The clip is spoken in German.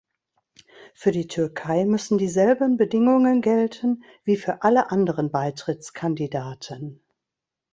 Für die Türkei müssen dieselben Bedingungen gelten wie für alle anderen Beitrittskandidaten.